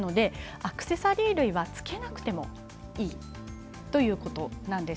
アクセサリー類はつけなくてもいいということなんです。